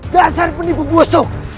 dasar penipu bosok